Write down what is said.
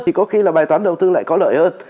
thì có khi là bài toán đầu tư lại có lợi hơn